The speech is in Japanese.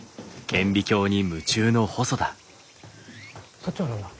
そっちはどうだ？